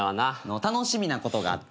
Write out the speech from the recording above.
楽しみなことがあって。